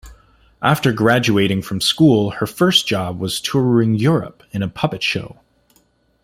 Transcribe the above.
After graduating from school, her first job was touring Europe in a puppet show.